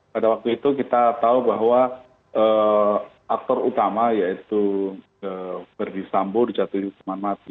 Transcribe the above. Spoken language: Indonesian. pada waktu itu kita tahu bahwa aktor utama yaitu verdi sambo dijatuhi hukuman mati